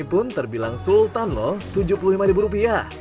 ini pun terbilang sultan loh tujuh puluh lima ribu rupiah